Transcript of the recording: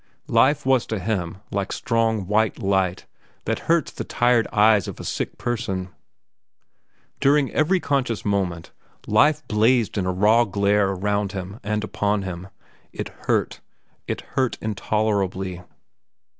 Life was to him like strong, white light that hurts the tired eyes of a sick person. During every conscious moment life blazed in a raw glare around him and upon him. It hurt. It hurt intolerably.